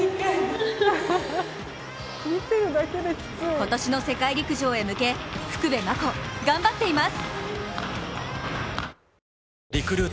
今年の世界陸上へ向け福部真子、頑張っています！